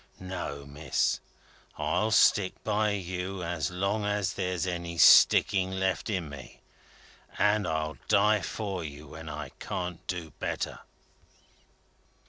No, Miss. I'll stick by you as long as there's any sticking left in me, and I'll die for you when I can't do better."